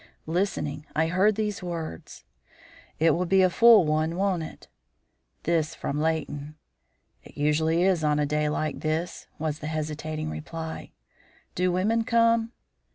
Listening, I heard these words. "It will be a full one, won't it?" This from Leighton. "It usually is on a day like this," was the hesitating reply. "Do women come?"